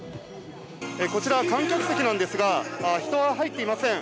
こちら、観客席なんですが、人は入っていません。